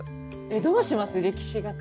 えっどうします？